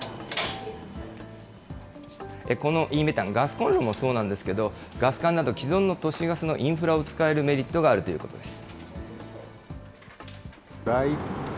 このイーメタン、ガスコンロもそうなんですけど、ガス管など既存の都市ガスのインフラを使えるメリットがあるということです。